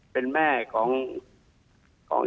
เป็นแม่ของ